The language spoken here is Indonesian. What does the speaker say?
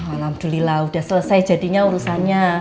alhamdulillah sudah selesai jadinya urusannya